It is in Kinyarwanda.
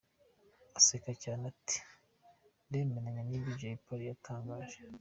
Aseka cyane ati “Ndemeranya n'ibyo Jay Polly yatangaje.